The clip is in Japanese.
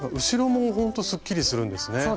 後ろもほんとすっきりするんですね。